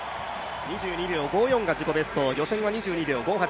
２２秒５４が自己ベスト、予選は２２秒５８。